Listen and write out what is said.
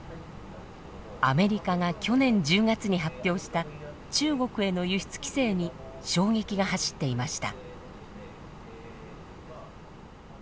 アメリカが去年１０月に発表した中国への輸出規制に衝撃が走っていました。